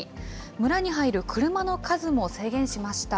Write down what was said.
村に入る車の数も制限しました。